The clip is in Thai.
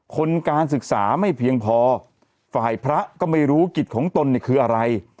คนการศึกษาไม่เพียงพอฝ่ายพระก็ไม่รู้กิจของตนเนี่ยคืออะไร